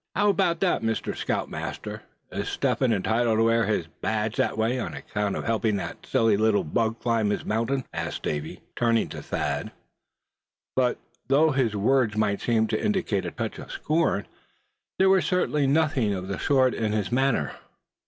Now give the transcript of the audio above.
"How about that, Mr. Scoutmaster; is Step entitled to wear his badge that way, on account of helping that silly little bug climb his mountain?" asked Davy, turning to Thad; but though his words might seem to indicate a touch of scorn, there was certainly nothing of the sort in his manner.